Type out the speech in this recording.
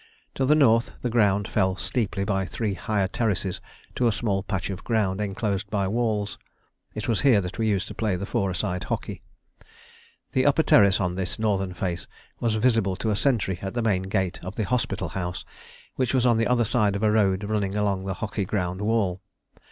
To the north the ground fell steeply by three higher terraces to a small patch of ground enclosed by walls. It was here that we used to play the four a side hockey. The upper terrace on this northern face was visible to a sentry at the main gate of the Hospital House, which was on the other side of a road running along the hockey ground wall.